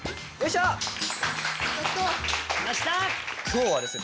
今日はですね